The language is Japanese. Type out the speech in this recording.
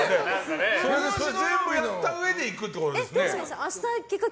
それをやったうえで行くということですね。